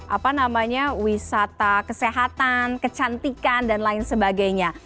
apa namanya wisata kesehatan kecantikan dan lain sebagainya